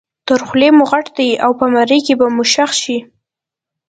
تر خولې مو غټ دی او په مرۍ کې به مو ښخ شي.